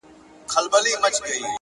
ښه اخلاق انسان لویوي.